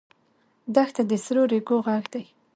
دښته د سرو ریګو غږ لري.